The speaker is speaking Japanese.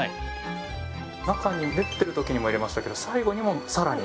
中に練ってる時にも入れましたけど最後にもさらに。